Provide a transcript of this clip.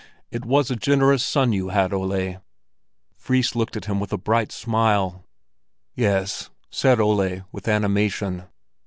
It was a generous son you had, Ole!" Fris looked at him with a bright smile. "Yes," said Ole, with animation.